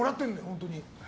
本当に。